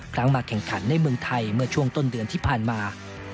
มาแข่งขันในเมืองไทยเมื่อช่วงต้นเดือนที่ผ่านมา